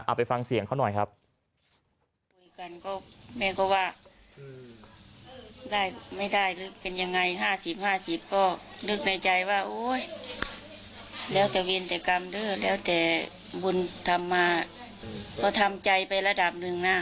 ไปฟังเสียงเขาหน่อยครับ